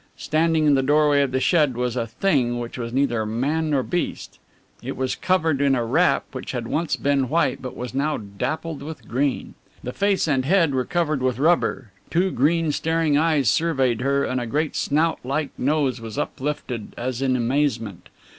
Standing in the doorway of the shed was a thing which was neither man nor beast. It was covered in a wrap which had once been white but was now dappled with green. The face and head were covered with rubber, two green staring eyes surveyed her, and a great snout like nose was uplifted as in amazement.